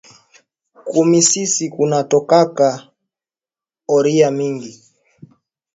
Ku misisi kuna tokaka or ya mingi